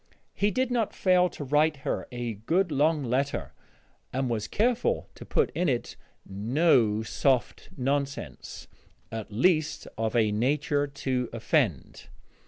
He did not fail to write her a good long letter, and was careful to put in it no soft nonsense at least, of a nature to offend.